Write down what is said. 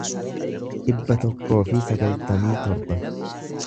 dhibba tokkoo fi sagaltamii torba